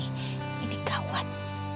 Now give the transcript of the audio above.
ini di gawat